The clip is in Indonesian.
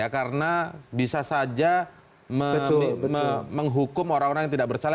karena bisa saja menghukum orang orang yang tidak bersalah